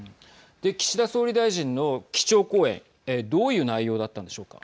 岸田総理大臣の基調講演どういう内容だったんでしょうか。